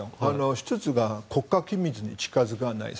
１つが国家機密に近付かない。